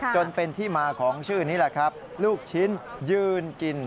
จนเป็นที่มาของชื่อนี้แหละครับลูกชิ้นยืนกิน